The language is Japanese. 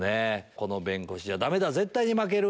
「この弁護士じゃダメだ絶対に負ける」